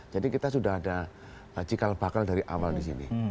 jadi kita sudah ada lajikal bakal dari awal di sini